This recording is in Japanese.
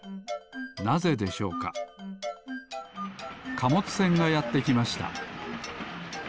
かもつせんがやってきました。